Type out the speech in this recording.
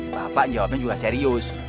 bapak jawabnya juga serius